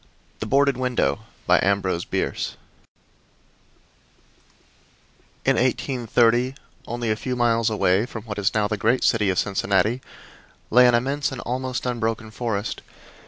THE BOARDED WINDOW In 1830, only a few miles away from what is now the great city of Cincinnati, lay an immense and almost unbroken forest.